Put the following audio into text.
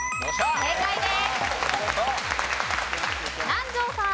正解です。